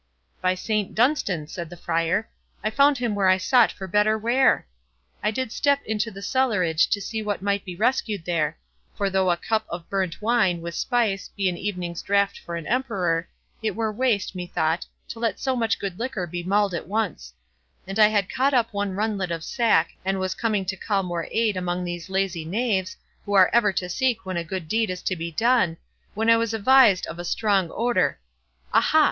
"By Saint Dunstan," said the Friar, "I found him where I sought for better ware! I did step into the cellarage to see what might be rescued there; for though a cup of burnt wine, with spice, be an evening's drought for an emperor, it were waste, methought, to let so much good liquor be mulled at once; and I had caught up one runlet of sack, and was coming to call more aid among these lazy knaves, who are ever to seek when a good deed is to be done, when I was avised of a strong door—Aha!